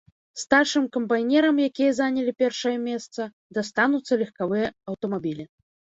Старшым камбайнерам, якія занялі першае месца, дастануцца легкавыя аўтамабілі.